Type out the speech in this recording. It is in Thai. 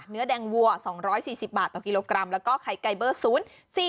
เนื้อแดงวัว๒๔๐บาทกิโลกรัมแล้วก็ใครไก่เบอร์ศูนย์